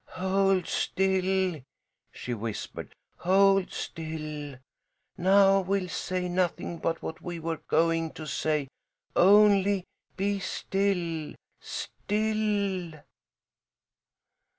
"Hold still!" she whispered. "Hold still! Now we'll say nothing but what we were going to say. Only be still still!"